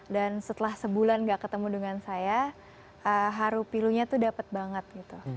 dan setelah sebulan gak ketemu dengan saya haru pilunya tuh dapat bangun